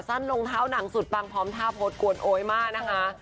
สั้นลงเท้านางสุดปังพร้อมทาพดกวนโอ๊ยมากนะคะ